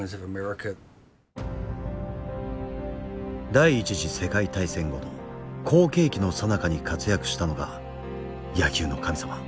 第一次世界大戦後の好景気のさなかに活躍したのが“野球の神様”